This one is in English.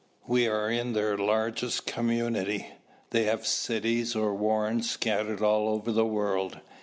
"We are in their largest community. They have cities or warrens scattered all over the world.